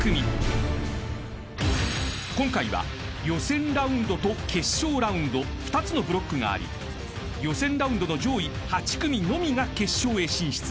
［今回は予選ラウンドと決勝ラウンド２つのブロックがあり予選ラウンドの上位８組のみが決勝へ進出］